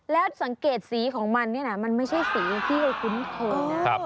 แล้วสังเกตสีของมันนี่นะมันไม่ใช่สีที่เราคุ้นเคยนะ